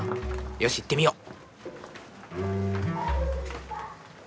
よし行ってみよう。